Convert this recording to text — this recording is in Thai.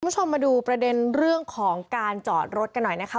คุณผู้ชมมาดูประเด็นเรื่องของการจอดรถกันหน่อยนะคะ